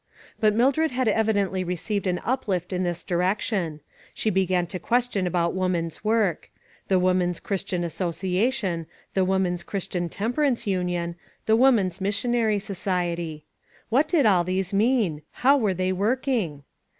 But Mildred had evidently re ceived an uplift in this direction. She be gan to question about woman's work. The " Woman's Christian Association," the " Wo PLEDGES. 4O5 man's Christian Temperance Union," the "Woman's Missionary Society." What did all these mean? How were they working?